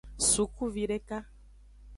Sukuvideka.